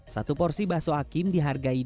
satu porsi bakso hakim dihargai rp dua puluh lima